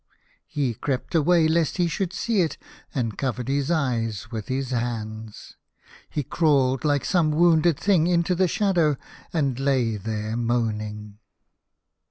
He crept away, lest he should see it, and covered his eyes with his hands. He crawled, like some wounded thing, into the shadow, and lay there moaning.